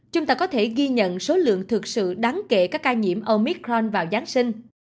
chúng ta có thể ghi nhận số lượng thực sự đáng kể các ca nhiễm omicron vào giáng sinh